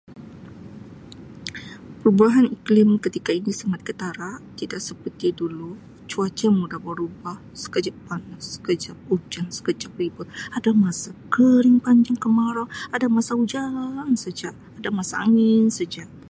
Perubahan iklim ketika ini sangat ketara tidak seperti dulu cuaca mula berubah sekejap panas sekejap hujan sekejap ribut ada masa kering [unintelligible] kemarau ada masa hujan saja ada masa angin saja.